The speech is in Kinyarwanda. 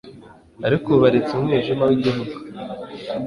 Ariko ubu baretse umwijima wigihugu